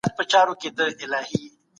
مجاهدین د خپل وطن د ساتني دپاره جهاد کوی.